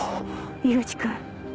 井口君。